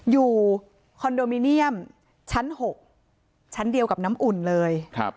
คอนโดมิเนียมชั้น๖ชั้นเดียวกับน้ำอุ่นเลย